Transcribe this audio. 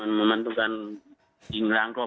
คุณประทีบขอแสดงความเสียใจด้วยนะคะ